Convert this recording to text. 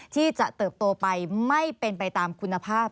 ที่จะเติบโตไปไม่เป็นไปตามคุณภาพ